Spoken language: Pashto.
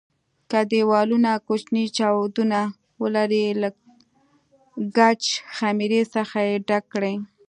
که دېوالونه کوچني چاودونه ولري له ګچ خمېرې څخه یې ډک کړئ.